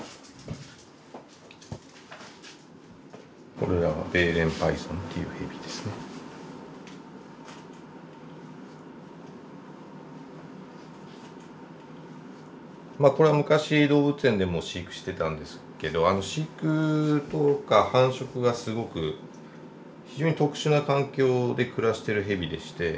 これらはこれは昔動物園でも飼育してたんですけど飼育とか繁殖がすごく非常に特殊な環境で暮らしてるヘビでして。